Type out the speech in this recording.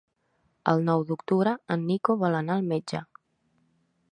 El nou d'octubre en Nico vol anar al metge.